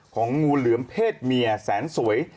งูเหลือมเพศเมียแสนสวย